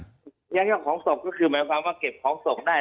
ยักยอกของตกก็คือหมายความว่าเก็บของตกได้